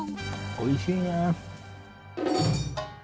おいしいな。